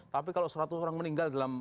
tapi kalau seratus orang meninggal dalam